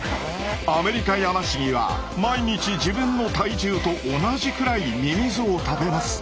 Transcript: アメリカヤマシギは毎日自分の体重と同じくらいミミズを食べます。